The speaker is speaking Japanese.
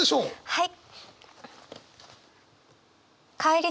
はい！